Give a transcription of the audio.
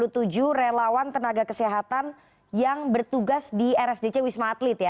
oke dua ratus dua puluh tujuh relawan tenaga kesehatan yang bertugas di rsdc wisma atlet ya